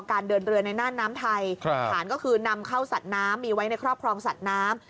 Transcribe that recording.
ผ่านก็คือนำเข้าสัสน้ำเข้าไว้ในครอบครองสัตว์น้ำ